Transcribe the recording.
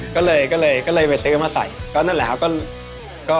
ก็เลยก็เลยไปซื้อมาใส่ก็นั่นแหละครับ